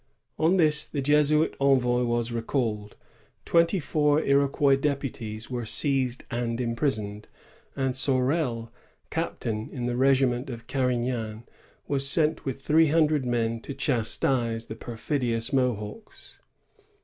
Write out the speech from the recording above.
On this the Jesuit envoy was recalled; tweniy four Iroquois deputies were seized and imprisoned; and Sorel, captain in the regiment of Carignan, was sent with three hundred men to chastise the per fidious Mohawks.